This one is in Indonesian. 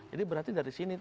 jadi berarti dari sini